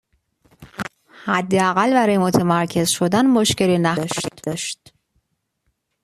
حداقل برای متمرکز شدن مشکلی نخواهید داشت.